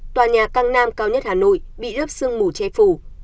tòa nhà căng nam cao nhất hà nội bị lớp sương mù che phủ